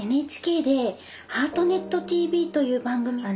ＮＨＫで「ハートネットＴＶ」という番組を。